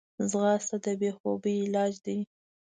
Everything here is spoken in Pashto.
ځغاسته د بېخوبي علاج دی